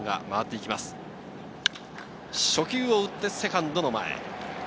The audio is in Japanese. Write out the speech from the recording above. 初球を打ってセカンドの前。